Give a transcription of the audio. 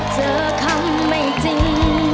เจอคำไม่จริง